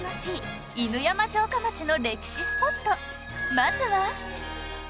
まずは